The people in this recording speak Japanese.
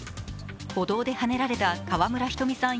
歩道ではねられた川村ひとみさん